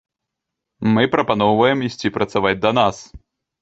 Мы прапаноўваем ісці працаваць да нас.